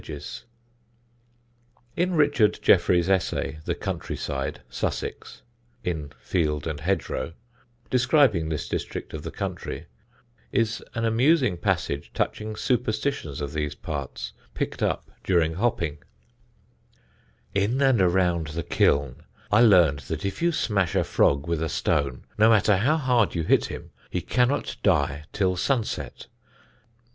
[Sidenote: SUPERSTITIONS] In Richard Jefferies' essay, "The Country side: Sussex" (in Field and Hedgerow), describing this district of the country, is an amusing passage touching superstitions of these parts, picked up during hopping: "In and about the kiln I learned that if you smash a frog with a stone, no matter how hard you hit him, he cannot die till sunset.